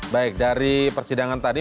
baik dari persidangan tadi